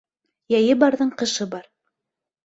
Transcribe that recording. Йәйе барҙың ҡышы бар.